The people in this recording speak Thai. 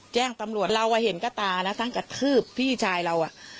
แจ้งตำรวจเราก็เห็นกระตานะทั้งกระทืบพี่ชายเรา